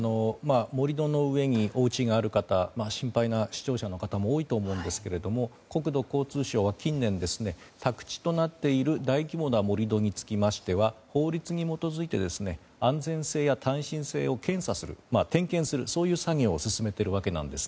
盛り土の上におうちがある方心配な視聴者の方も多いと思うんですけれども国土交通省は近年、宅地となっている大規模な盛り土につきましては法律に基づいて安全性や耐震性を検査する点検するという作業を進めているわけです。